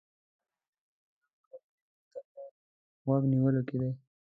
د بحث د ګټلو هنر مقابل لوري ته په غوږ نیولو کې دی.